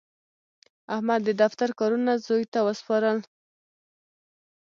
احمد د دفتر کارونه زوی ته وسپارل.